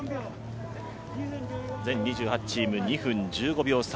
全２８チーム、２分１５秒差。